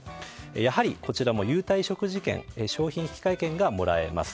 やはりこちらも優待食事券商品引換券がもらえます。